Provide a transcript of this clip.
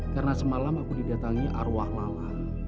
karena semalam aku didatangi arwah lala